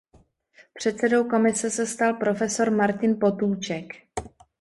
Předsedou komise se stal profesor Martin Potůček.